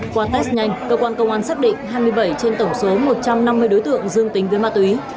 qua test nhanh cơ quan công an xác định hai mươi bảy trên tổng số một trăm năm mươi đối tượng dương tính với ma túy